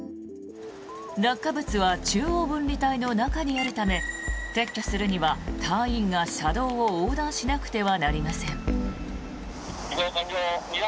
落下物は中央分離帯の中にあるため撤去するには隊員が車道を横断しなくてはなりません。